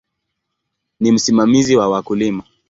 Ni msimamizi wa wakulima.